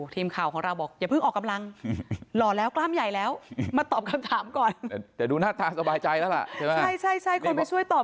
ก็ได้ค้าวิทย์เห็นเยอะเพราะส่วนใหญ่เขาก็บอกว่าขึ้นได้ครับ